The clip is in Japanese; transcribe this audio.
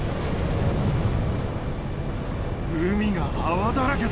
海が泡だらけだ。